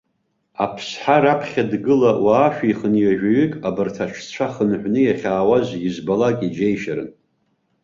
Аԥсҳа раԥхьа дгыла, уаа шәихынҩажәаҩык абарҭ аҽцәа хынҳәны иахьаауаз избалак иџьеишьарын.